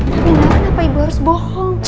tapi malah kenapa ibu harus bohong